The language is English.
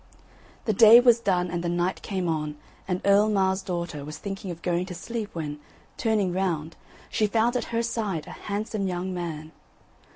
The day was done and the night came on and Earl Mar's daughter was thinking of going to sleep when, turning round, she found at her side a handsome young man.